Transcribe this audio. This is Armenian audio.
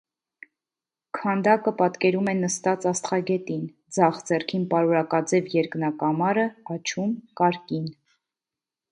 Քանդակը պատկերում է նստած աստղագետին, ձախ ձեռքին պարուրակաձև երկնակամարը, աջում՝ կարկին։